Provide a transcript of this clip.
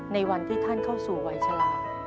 ในวันที่ท่านเข้าสู่วัยฉลาด